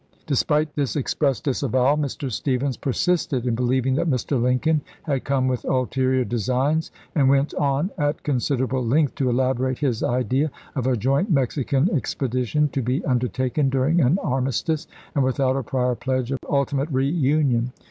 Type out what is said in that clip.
Despite this express disavowal, Mr. Stephens persisted in believing that Mr. Lincoln had come with ulterior designs, and went on at considerable length to elaborate his idea of a joint Mexican ex pedition, to be undertaken during an armistice and without a prior pledge of ultimate reunion.